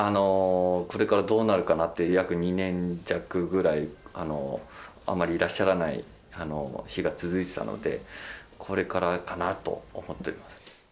これからどうなるかなって、約２年弱ぐらい、あまりいらっしゃらない日が続いてたので、これからかなと思っております。